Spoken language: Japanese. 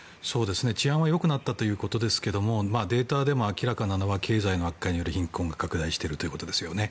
治安は良くなったということですけどもデータでも明らかなのは経済の悪化による貧困拡大ですよね。